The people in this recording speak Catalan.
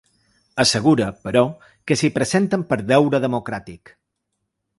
Assegura, però, que s’hi presenten per ‘deure democràtic’.